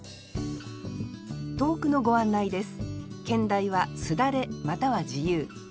投句のご案内です